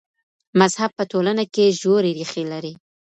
مذهب په ټولنه کي ژورې ريښې لري.